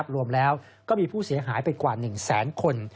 รวมแล้วก็มีผู้เสียหายไปกว่า๑แสนคน